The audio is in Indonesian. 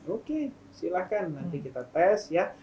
oke silahkan nanti kita tes ya